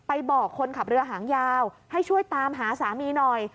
บอกคนขับเรือหางยาวให้ช่วยตามหาสามีหน่อย